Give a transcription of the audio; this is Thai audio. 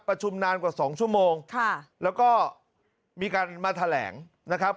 นานกว่าสองชั่วโมงค่ะแล้วก็มีการมาแถลงนะครับ